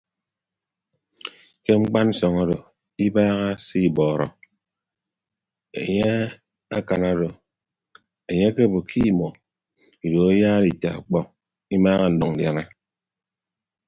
Ke mkpansọñ odo ibaaha se ibọọrọ enye akan odo enye akebo ke imọ ido ayaara ita ọkpọk imaaha ndʌñ ndiana.